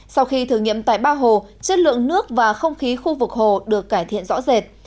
sau khi thử nghiệm tại ba hồ chất lượng nước và không khí khu vực hồ được cải thiện rõ rệt